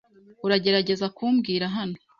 Uragerageza kumbwira hano?